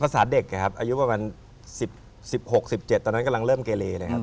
เด็กนะครับอายุประมาณ๑๖๑๗ตอนนั้นกำลังเริ่มเกเลเลยครับ